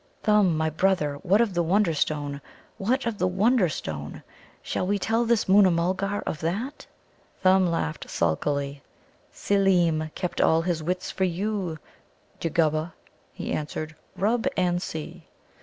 "Thumb, my brother, what of the Wonderstone? what of the Wonderstone? Shall we tell this Moona mulgar of that?" Thumb laughed sulkily. "Seelem kept all his wits for you, Jugguba," he answered; "rub and see!"